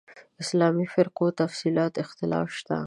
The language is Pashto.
اسلامي فرقو تفصیلاتو اختلاف شته.